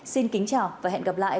xin kính chào và hẹn gặp lại